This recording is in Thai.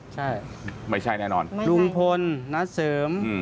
ใช่ไม่ใช่แน่นอนลุงพลณเสริม